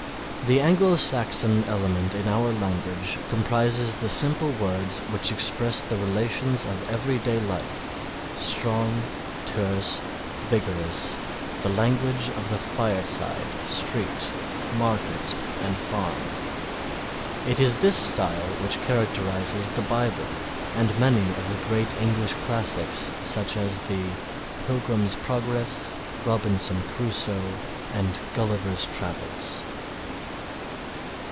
The Anglo Saxon element in our language comprises the simple words which express the relations of everyday life, strong, terse, vigorous, the language of the fireside, street, market and farm. It is this style which characterizes the Bible and many of the great English classics such as the "Pilgrim's Progress," "Robinson Crusoe," and "Gulliver's Travels."